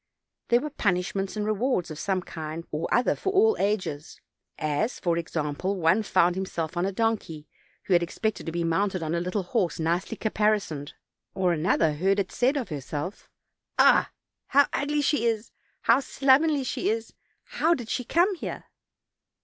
There were punishments and rewards of some kind or other for all ages; as, for ex ample, one found himself on a donkey, who had expected to be mounted on a little horse nicely caparisoned; or another heard it said of herself: "Ah! how ugly she is; how slovenly she is; how did she come here?"